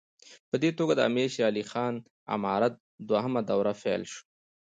په دې توګه د امیر شېر علي خان د امارت دوهمه دوره پیل شوه.